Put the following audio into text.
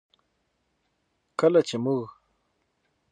کله چې موږ